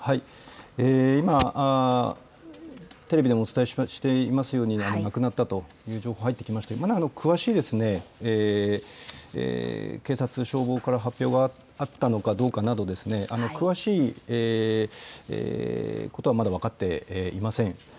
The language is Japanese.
今、テレビでもお伝えしていますように、亡くなったという情報、入ってきまして、まだ詳しい、警察、消防から発表があったのかどうかなど、詳しいことはまだ分かっていません。